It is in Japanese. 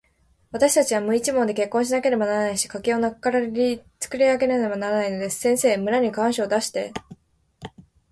わたしたちは無一文で結婚しなければならないし、家計を無からつくり上げなければならないのです。先生、村に願書を出して、